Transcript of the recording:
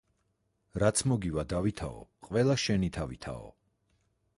რაც მოგივა დავითაო, ყველა შენი თავითაო.